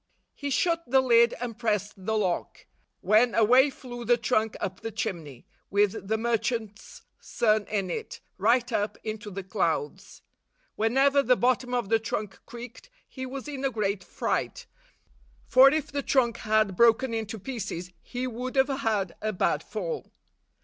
He shut the lid and pressed the lock, when away flew the trunk up the chimney, with the merchant's son in it, right up into the clouds. Whenever the bottom of the trunk creaked, he was in a great fright ; for if the trunk had broken to pieces, he would have had a bad fall.